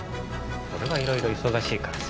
俺はいろいろ忙しいからさ。